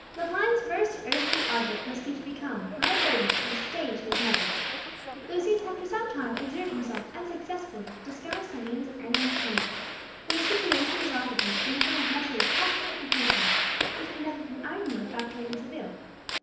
Lepine's first earthly object must be to become, not a burden, but a stay to his mother. Lucius had for some time exerted himself unsuccessfully to discover some means of earning independence, when a situation was offered to him in the firm of Messrs. Passmore and Perkins, which conducted an ironware factory in Seville.